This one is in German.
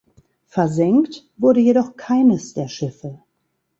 Versenkt wurde jedoch keines der Schiffe.